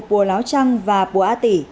pua láo trăng và pua á tỉ